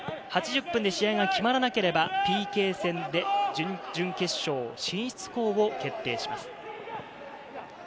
８０分で試合が決まらなければＰＫ戦で、準々決勝進出を決定します。